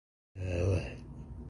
لاح شيب فنهنه الحلم جهلا